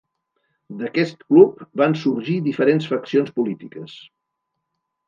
D'aquest club van sorgir diferents faccions polítiques.